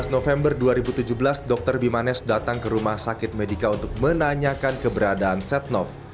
enam belas november dua ribu tujuh belas dr bimanes datang ke rumah sakit medika untuk menanyakan keberadaan setia